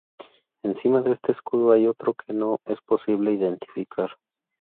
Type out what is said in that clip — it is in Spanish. Encima de este escudo hay otro que no es posible identificar.